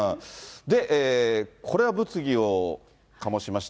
これが物議を醸しました。